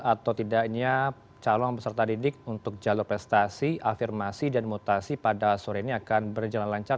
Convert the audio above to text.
atau tidaknya calon peserta didik untuk jalur prestasi afirmasi dan mutasi pada sore ini akan berjalan lancar